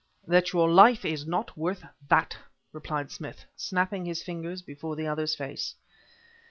"That your life is not worth that!" replied Smith, snapping his fingers before the other's face.